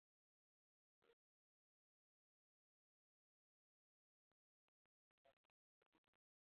د دې خبرې معنا په لاندې ډول ده.